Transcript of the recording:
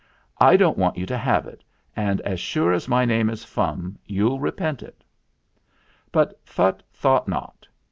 "/ don't want you to have it. And as sure as my name is Fum, you'll repent it." But Phutt thought not.